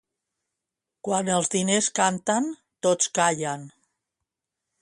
Quan els diners canten, tots callen.